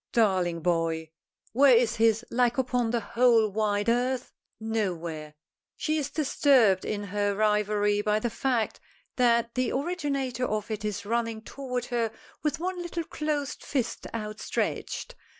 Darling boy! Where is his like upon the whole wide earth? Nowhere. She is disturbed in her reverie by the fact that the originator of it is running toward her with one little closed fist outstretched.